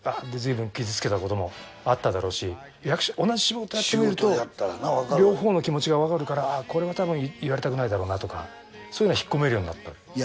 ずいぶん傷つけたこともあっただろうし同じ仕事やってみると両方の気持ちがわかるからこれはたぶん言われたくないだろうなとかそういうのは引っ込めるようになった。